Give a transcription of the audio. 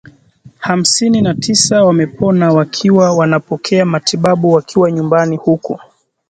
hamsini na tisa wamepona wakiwa wanapokea matibabu wakiwa nyumbani huku